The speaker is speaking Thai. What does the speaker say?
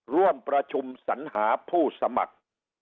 ร่วมประชุมสัญหาผู้สมัคร